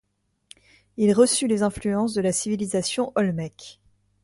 Il reçut les influences de la civilisation olmèque.